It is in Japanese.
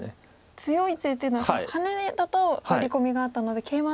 強い手っていうのはハネだとワリコミがあったのでケイマ